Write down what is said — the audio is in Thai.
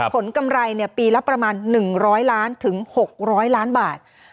กำไรปีละประมาณ๑๐๐ล้านถึง๖๐๐ล้านบาท